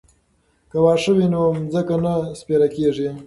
که واښه وي نو ځمکه نه سپیره کیږي.